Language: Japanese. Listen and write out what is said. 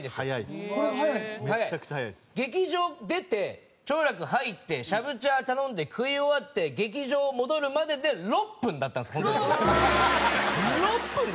劇場出て兆楽入ってシャブチャー頼んで食い終わって劇場戻るまでで６分だったんです本当に。